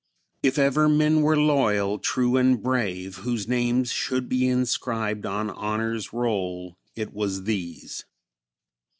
If ever men were loyal, true and brave, whose names should be inscribed on honor's roll, it was these."